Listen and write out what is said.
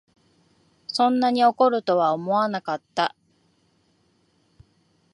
そんなに怒るとは思わなかった